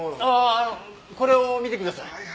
あのこれを見てください。